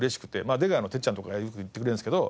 出川の哲ちゃんとかがよく言ってくれるんですけど。